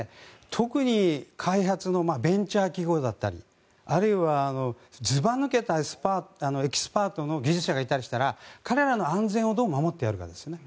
特に開発のベンチャー企業だったりあるいはずば抜けたエキスパートの技術者がいたりしたら彼らの安全をどう守ってやるかですね。